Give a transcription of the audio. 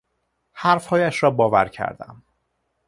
حرفهایش را باور کردم.